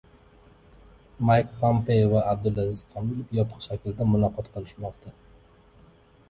Mayk Pompeo va Abdulaziz Komilov yopiq shaklda muloqot qilishmoqda